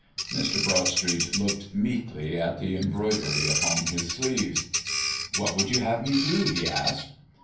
Mr. Broadstreet looked meekly at the embroidery upon his sleeves. "What would you have me do?" he asked.